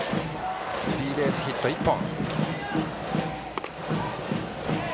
スリーベースヒット１本。